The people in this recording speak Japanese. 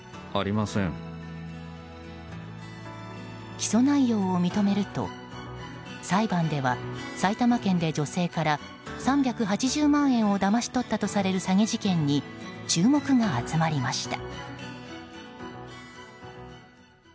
起訴内容を認めると、裁判では埼玉県で女性から３８０万円をだまし取ったとされる詐欺事件に注目が集まりました。